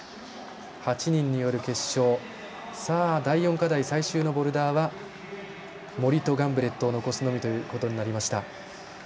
８人による決勝、第４課題最終のボルダーは森とガンブレットを残すのみとなりました。